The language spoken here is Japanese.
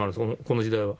この時代は。